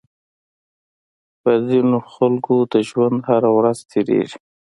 په ځينې خلکو د ژوند هره ورځ تېرېږي.